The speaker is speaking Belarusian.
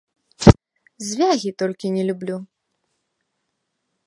Звягі толькі не люблю.